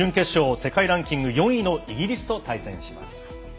世界ランク４位のイギリスと対戦します。